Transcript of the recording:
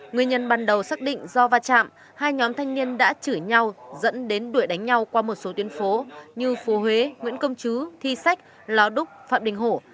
nguyên nhân ban đầu xác định do va chạm hai nhóm thanh niên đã chửi nhau dẫn đến đuổi đánh nhau qua một số tuyến phố như phố huế nguyễn công chứ thi sách lào đúc phạm đình hổ